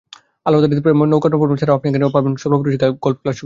আলো-আঁধারিতে প্রেমময় নৌকাভ্রমণ ছাড়াও আপনি এখানে পাবেন স্বল্প পরিসরে গলফ খেলার সুবিধা।